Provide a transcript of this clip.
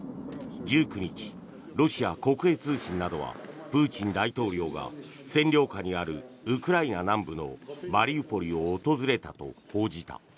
１９日、ロシア国営通信などはプーチン大統領が占領下にあるウクライナ南部のマリウポリを訪れたと報じた。